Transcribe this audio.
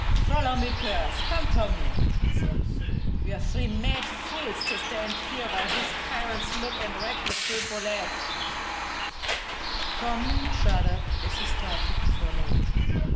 "Follow me, Pearse; come Tomlin!" he said. "We are three mad fools to stand here while these pirates loot and wreck the Feu Follette!" Tomlin shuddered as he started to follow.